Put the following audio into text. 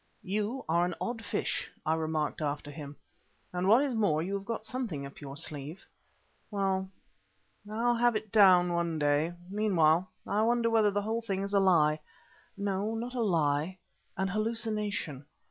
"You are an odd old fish," I remarked after him, "and what is more you have got something up your sleeve. Well, I'll have it down one day. Meanwhile, I wonder whether the whole thing is a lie, no; not a lie, an hallucination.